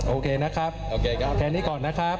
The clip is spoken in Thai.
โอเคนะครับแค่นี้ก่อนนะครับ